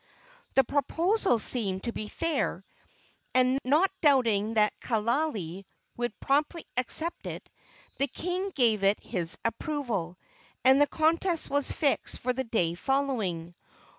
The proposal seemed to be fair, and, not doubting that Kaaialii would promptly accept it, the king gave it his approval, and the contest was fixed for the day following.